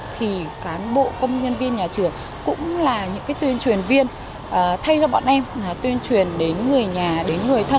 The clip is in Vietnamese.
thì cán bộ công nhân viên nhà trường cũng là những tuyên truyền viên thay cho bọn em tuyên truyền đến người nhà đến người thân